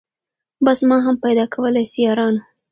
بس ما هم پیدا کولای سی یارانو